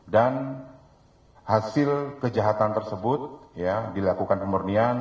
dan hasil kejahatan tersebut dilakukan pemurnian